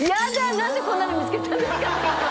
何でこんなの見つけたんですか？